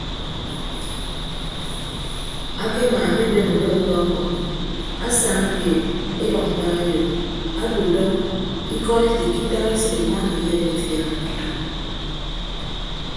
Akemaa enye eben udọ udọ ọmọ asaña keed edʌk mbak eyop abo udọ ikọd ete ikitañ isịp imaana iyeem ifia.